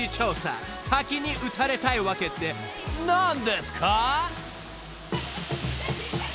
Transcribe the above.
［滝に打たれたいワケって何ですか？］